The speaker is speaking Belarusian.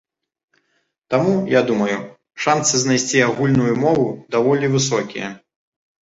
Таму, я думаю, шансы знайсці агульную мову даволі высокія.